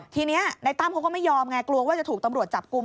ทีนี้ในตั้มเขาก็ไม่ยอมไงกลัวว่าจะถูกตำรวจจับกลุ่ม